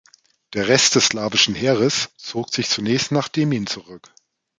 Der Rest des slawischen Heeres zog sich zunächst nach Demmin zurück.